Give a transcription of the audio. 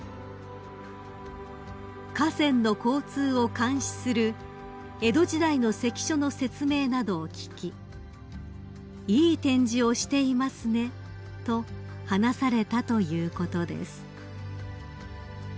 ［河川の交通を監視する江戸時代の関所の説明などを聞き「いい展示をしていますね」と話されたということです］